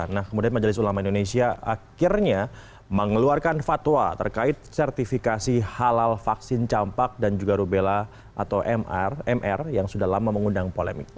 nah kemudian majelis ulama indonesia akhirnya mengeluarkan fatwa terkait sertifikasi halal vaksin campak dan juga rubella atau mr mr yang sudah lama mengundang polemik